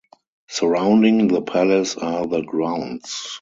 Surrounding the Palace are the grounds.